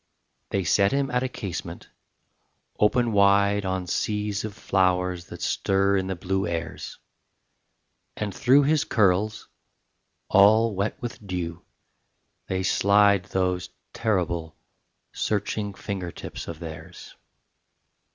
They set him at a casement, open wide On seas of flowers that stir in the blue airs, And through his curls, all wet with dew, they slide Those terrible searching finger tips of theirs.